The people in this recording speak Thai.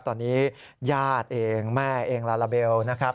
ตอนนี้ญาติเองแม่เองลาลาเบลนะครับ